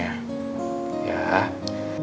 kamu simpan aja uangnya